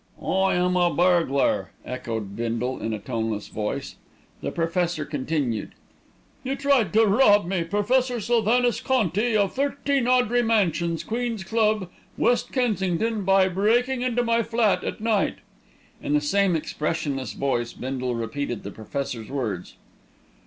"I am a burglar," echoed Bindle in a toneless voice. The Professor continued: "You tried to rob me, Professor Sylvanus Conti, of 13 Audrey Mansions, Queen's Club, West Kensington, by breaking into my flat at night." In the same expressionless voice Bindle repeated the Professor's words.